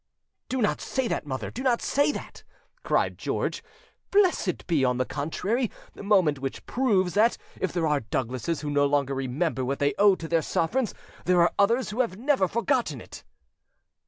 "Do not say that, mother, do not say that," cried George; "blessed be, on the contrary, the moment which proves that, if there are Douglases who no longer remember what they owe to their sovereigns, there are others who have never forgotten it."